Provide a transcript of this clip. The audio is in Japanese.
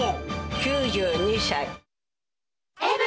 ９２歳。